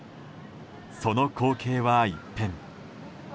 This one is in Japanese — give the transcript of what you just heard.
その光景は一変。